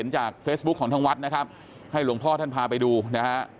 จากเฟซบุ๊คของทางวัดนะครับให้หลวงพ่อท่านพาไปดูนะฮะ